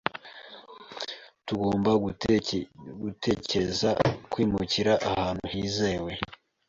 Tugomba gutekereza kwimukira ahantu hizewe.